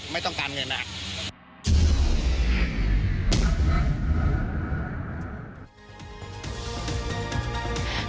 ไม่ต้องการเงินนะครับ